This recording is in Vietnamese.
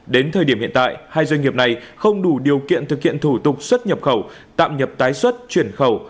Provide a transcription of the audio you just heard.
đến thời điểm hiện tại hai doanh nghiệp này không đủ điều kiện thực hiện thủ tục xuất nhập khẩu tạm nhập tái xuất chuyển khẩu